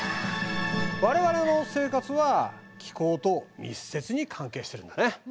我々の生活は気候と密接に関係しているんだね。